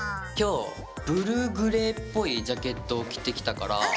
今日ブルーグレーっぽいジャケットを着てきたから。